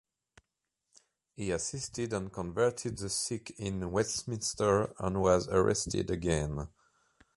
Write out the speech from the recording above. He assisted and converted the sick in Westminster and was arrested again.